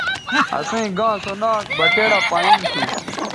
اَسئیں گاں سو ناں بٹیڑہ پائیں تھو۔